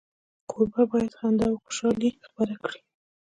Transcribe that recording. کوربه باید خندا او خوشالي خپره کړي.